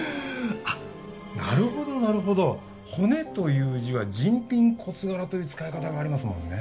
あなるほどなるほど骨という字は人品骨柄という使い方がありますもんね